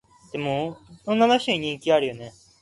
足並み揃えていこう